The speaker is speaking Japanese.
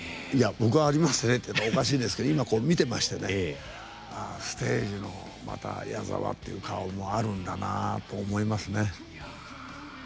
僕はありますねっておかしいですけど見ていましてねステージの矢沢っていう顔はあるんだなと思います。